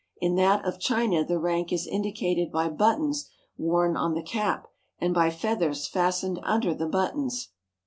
In that of China the rank is in dicated by buttons worn on the cap, and by feath ers fastened under the buttons.